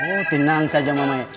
oh tenang saja mama eh